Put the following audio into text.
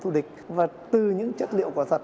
thù địch và từ những chất liệu quả thật